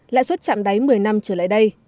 lãi suất chạm đáy một mươi năm trở lại đây